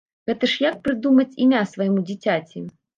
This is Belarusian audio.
Гэта ж як прыдумаць імя свайму дзіцяці!